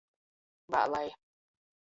Vālai.